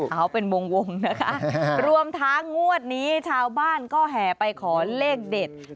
เอาเป็นวงนะคะรวมทั้งงวดนี้ชาวบ้านก็แห่ไปขอเลขเด็ด